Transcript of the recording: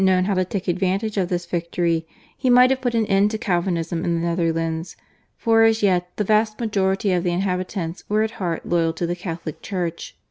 known how to take advantage of this victory he might have put an end to Calvinism in the Netherlands, for as yet the vast majority of the inhabitants were at heart loyal to the Catholic church.